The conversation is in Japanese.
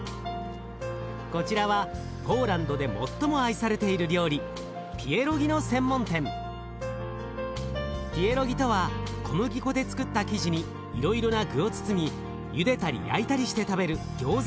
こちらはポーランドで最も愛されている料理ピエロギとは小麦粉でつくった生地にいろいろな具を包みゆでたり焼いたりして食べるギョーザのようなもの。